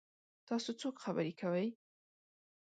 تاسو څوک خبرې کوئ؟